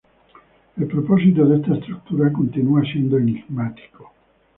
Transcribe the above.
El propósito de esta estructura continúa siendo enigmático.